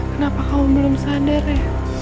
kenapa kau belum sadar ya